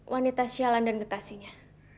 wanita sialan dan getasinya